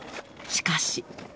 しかし。